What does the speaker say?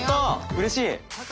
うれしい！